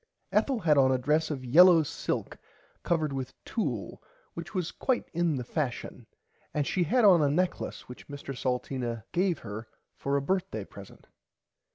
Ethel had on a dress of yellaw silk covered with tulle which was quite in the fashion and she had on a necklace which Mr Salteena gave her for a birthday present.